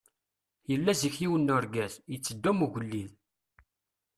Yella zik yiwen n urgaz, yetteddu am ugellid.